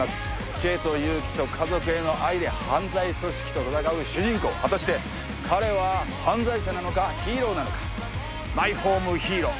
知恵と勇気と家族への愛で犯罪組織と闘う主人公果たして彼は犯罪者なのかヒーローなのか「マイホームヒーロー」